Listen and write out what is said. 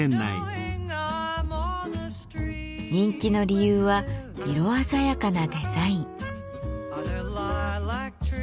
人気の理由は色鮮やかなデザイン。